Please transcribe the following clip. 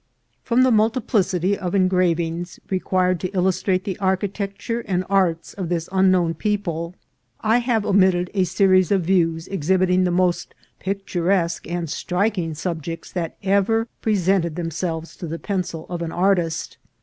From the multiplicity of engravings required to illustrate the architecture and arts of this unknown peo ple, I have omitted a series of views, exhibiting the most picturesque and striking subjects that ever pre sented themselves to the pencil of an artist.